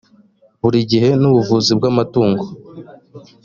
buri gihe n’ubuvuzi bw’amatungo